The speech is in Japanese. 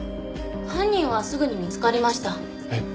犯人はすぐに見つかりました。